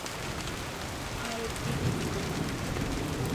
اردبیلی